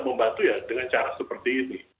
membantu ya dengan cara seperti ini